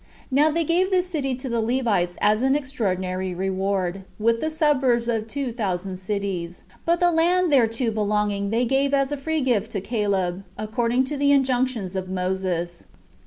Now they gave this city to the Levites as an extraordinary reward, with the suburbs of two thousand cities; but the land thereto belonging they gave as a free gift to Caleb, according to the injunctions of Moses.